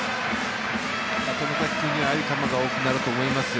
ああいう球が多くなると思いますよ。